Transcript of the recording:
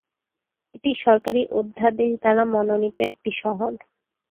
এটি সরকারী অধ্যাদেশ দ্বারা মনোনীত একটি শহর।